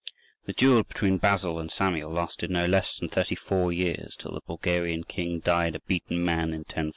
The duel between Basil and Samuel lasted no less than thirty four years, till the Bulgarian king died a beaten man in 1014.